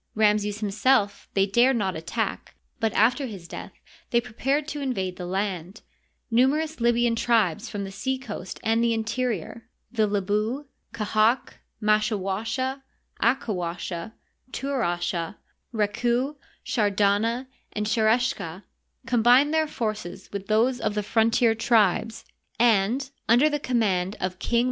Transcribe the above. Ramses himself they dared not attack,, but after his death they prepared to invade the land. Numerous Libyan tribes from the sea coast and the interior— the Lebu, Qa ^ hag, Maskawasha, Akawasha, Turasha, Reku, Shar^ dana, and 5 ^^r^j ^/^^^ combined their forces with those of the frontier tribes, and, under the command of King yGoogl i 96 HISTORY OF EGYPT.